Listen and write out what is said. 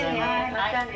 またね。